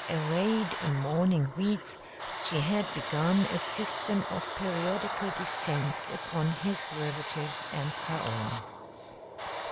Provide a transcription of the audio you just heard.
Arrayed in mourning weeds, she had begun a system of periodical descents upon his relatives and her own.